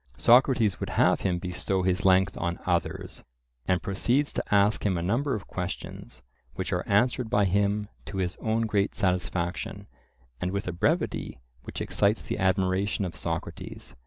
Socrates would have him bestow his length on others, and proceeds to ask him a number of questions, which are answered by him to his own great satisfaction, and with a brevity which excites the admiration of Socrates.